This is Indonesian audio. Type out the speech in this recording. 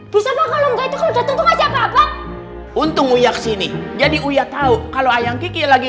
bisa kalau nggak itu untuk untuk untuk uya kesini jadi uya tahu kalau ayam kiki lagi